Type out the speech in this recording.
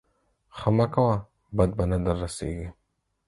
ښه مه کوه بد به نه در رسېږي.